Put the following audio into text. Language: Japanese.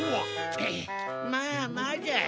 まあまあじゃ。